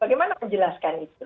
bagaimana menjelaskan itu